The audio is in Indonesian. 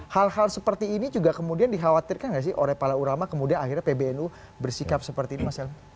hal hal seperti ini juga kemudian dikhawatirkan nggak sih oleh pala urama kemudian akhirnya pbnu bersikap seperti ini mas el